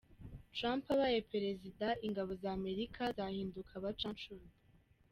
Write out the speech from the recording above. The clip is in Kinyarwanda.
Trump abaye Perezida, ingabo za Amerika zahinduka abacanshuro.